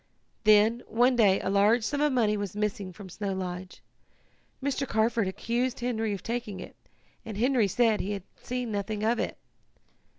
"Then, one day, a large sum of money was missing from Snow Lodge. Mr. Carford accused Henry of taking it, and Henry said he had seen nothing of it.